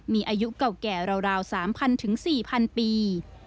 มีอายุเก่าแก่ราว๓๐๐ถึง๔๐๐ปี